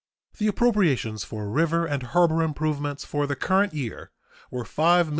The appropriations for river and harbor improvements for the current year were $5,015,000.